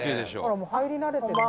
「もう入り慣れてるもん」